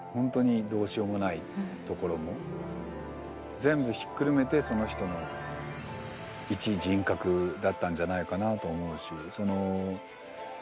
全部ひっくるめてその人の一人格だったんじゃないかなと思うし。